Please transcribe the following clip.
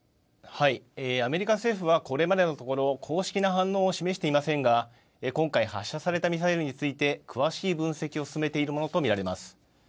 アメリカ政府はこれまでのところ公式な反応を示していませんが今回発射されたミサイルについて詳しい分析を進めているものと見られます。